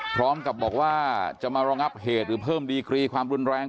พร้อมกับบอกว่าจะมารองับเหตุหรือเพิ่มดีกรีความรุนแรง